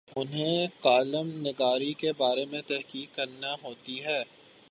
انہیں کالم نگاری کے بارے میں تحقیق کرنا ہوتی ہے۔